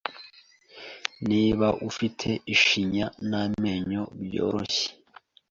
Niba ufite ishinya n’amenyo byoroshye